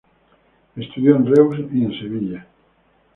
Estudió en Reus y en Sevilla.